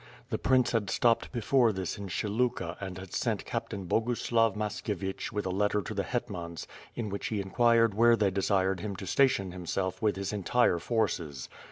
The prince had atop))ed before this in Pshyluka and had sent Captain Uogushiv Mas kievieh with a letter to the hetnians, in which he inquired where they desired him to station himself with his entire forces.